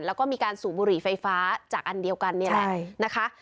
แล้วก็มีการสูบบุหรี่ไฟฟ้าจากอันเดียวกันนี่แหละนะคะ